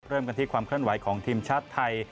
เริ่มกันที่ความเคลื่อนไหวของทีมชาติไทย